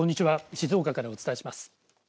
静岡からお伝えします。